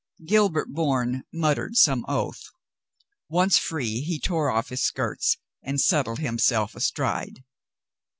Gilbert Bourne muttered some oath. Once free, he tore off his skirts and settled himself astride.